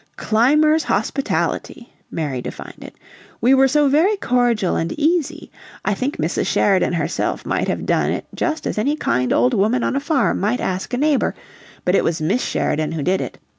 "Climbers' hospitality," Mary defined it. "We were so very cordial and easy! I think Mrs. Sheridan herself might have done it just as any kind old woman on a farm might ask a neighbor, but it was Miss Sheridan who did it.